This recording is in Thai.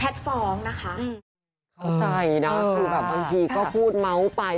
แพทย์ฟ้องนะคะอืมเข้าใจน่ะคือแบบบางทีก็พูดเม้าท์ไป